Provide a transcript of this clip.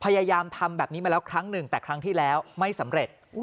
พยายามทำแบบนี้มาแล้วครั้งหนึ่งแต่ครั้งที่แล้วไม่สำเร็จ